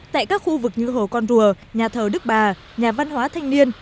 tại các khu vực như hồ con rùa nhà thờ đức bà nhà văn hóa thanh niên